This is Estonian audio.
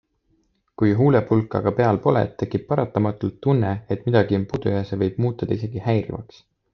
Kui huulepulka aga peal pole, tekib paratamatult tunne, et midagi on puudu ja see võib muutuda isegi häirivaks.